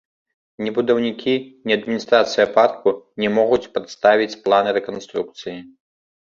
Ні будаўнікі, ні адміністрацыя парку не могуць прадставіць план рэканструкцыі.